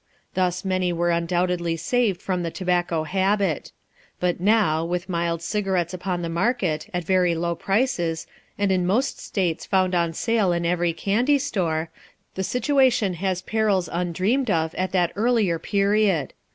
Thus many were undoubtedly saved from the tobacco habit; but now, with mild cigarettes upon the market, at very low prices, and in most States found on sale in every candy store, the situation has perils undreamed of at that earlier period.